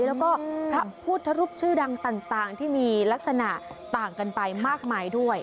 แล้วก็พระพุทธรูปชื่อดังต่างที่มีลักษณะต่างกันไปมากมายด้วย